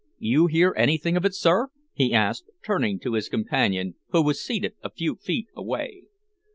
You hear anything of it, sir?" he asked, turning to his companion, who was seated a few feet away.